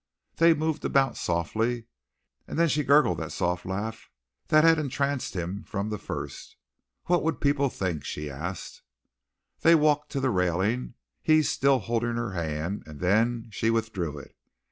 They moved about softly, and then she gurgled that soft laugh that had entranced him from the first. "What would people think?" she asked. They walked to the railing, he still holding her hand, and then she withdrew it.